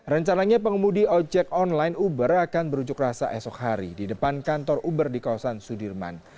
rencananya pengemudi ojek online uber akan berunjuk rasa esok hari di depan kantor uber di kawasan sudirman